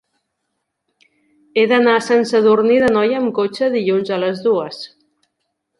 He d'anar a Sant Sadurní d'Anoia amb cotxe dilluns a les dues.